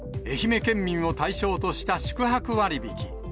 愛媛県民を対象とした宿泊割引。